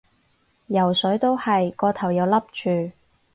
游水都係，個頭又笠住